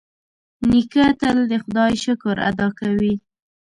نیکه تل د خدای شکر ادا کوي.